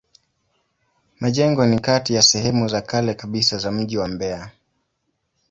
Majengo ni kati ya sehemu za kale kabisa za mji wa Mbeya.